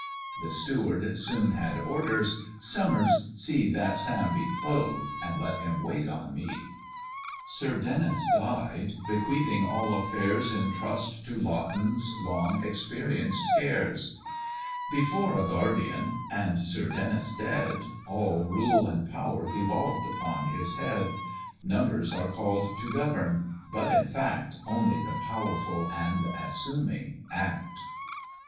The Steward soon had orders "Summers, see That Sam be clothed, and let him wait on me." Sir Denys died, bequeathing all affairs In trust to Laughton's long experienced cares; Before a Guardian, and Sir Denys dead, All rule and power devolved upon his head, Numbers are call'd to govern, but in fact Only the powerful and assuming act.